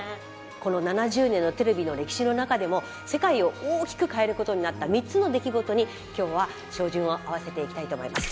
この７０年のテレビの歴史の中でも世界を大きく変えることになった３つの出来事に今日は照準を合わせていきたいと思います。